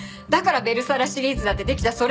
だからベルサラシリーズだってできた。